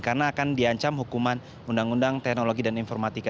karena akan diancam hukuman undang undang teknologi dan informatika